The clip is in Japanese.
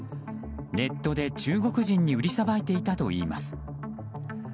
ネットで中国人に売りさばいていたといいます。